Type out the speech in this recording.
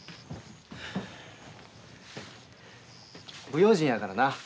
不用心やからな。